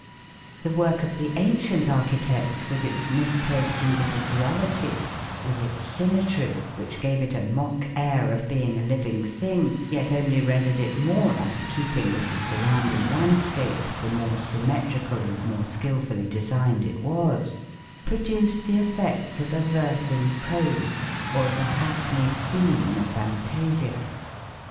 The work of the ancient architect with its misplaced individuality, with its symmetry, which gave it a mock air of being a living thing, yet only rendered it more out of keeping with the surrounding landscape, the more symmetrical and more skilfully designed it was, produced the effect of a verse in prose, or of a hackneyed theme in a fantasia.